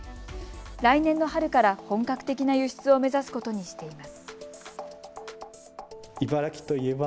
来年の春から本格的な輸出を目指すことにしています。